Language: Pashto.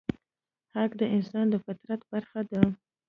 حق د انسان د فطرت برخه ده.